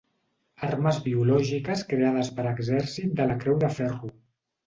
Armes biològiques creades per exèrcit de la Creu de Ferro.